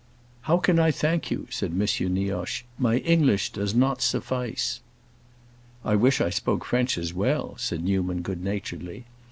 "How can I thank you?" said M. Nioche. "My English does not suffice." "I wish I spoke French as well," said Newman, good naturedly.